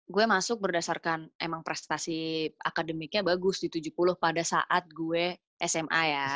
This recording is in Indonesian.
gue masuk berdasarkan emang prestasi akademiknya bagus di tujuh puluh pada saat gue sma ya